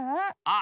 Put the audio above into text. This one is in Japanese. あ